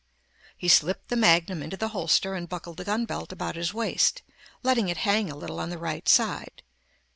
He slipped the magnum into the holster and buckled the gunbelt about his waist, letting it hang a little on the right side.